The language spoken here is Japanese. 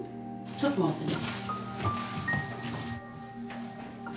ちょっと待ってね。